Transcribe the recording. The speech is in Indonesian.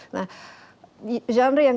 nah genre yang